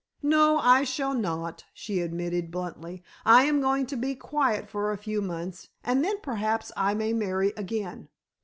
"No, I shall not," she admitted bluntly, "I am going to be quiet for a few months and then perhaps I may marry again.